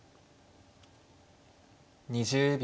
２０秒。